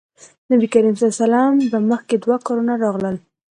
نبي کريم ص په مخکې دوه کارونه راغلل.